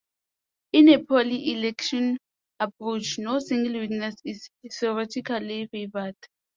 In a purely eclectic approach, no single witness is theoretically favored.